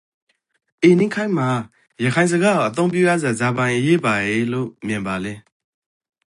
အေနိခေတ်မှာရခိုင်စကားကိုအသုံးပြုရစွာဇာပိုင်အရေးပါယေလို့ မြင်ပါလဲ?